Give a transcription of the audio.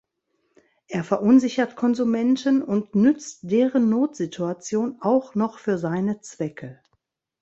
Er verunsichert Konsumenten und nützt deren Notsituation auch noch für seine Zwecke.